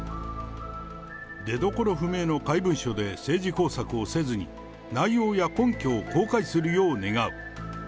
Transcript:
出どころ不明の怪文書で政治工作をせずに、内容や根拠を公開するよう願う。